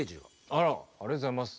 あらありがとうございます。